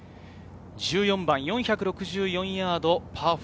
１４番、４６４ヤード、パー４。